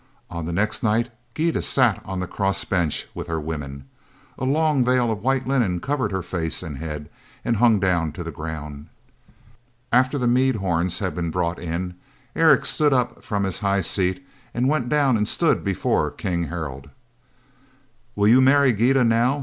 On the next night Gyda sat on the cross bench with her women. A long veil of white linen covered her face and head and hung down to the ground. After the mead horns had been brought in, Eric stood up from his high seat and went down and stood before King Harald. "Will you marry Gyda now?"